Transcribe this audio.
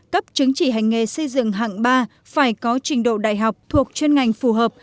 cấp chứng chỉ hành nghề xây dựng hạng ba phải có trình độ đại học thuộc chuyên ngành phù hợp